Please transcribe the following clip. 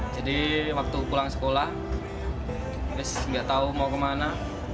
jadi waktu pulang sekolah gak tau mau kemana